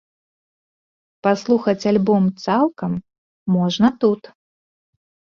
Паслухаць альбом цалкам можна тут.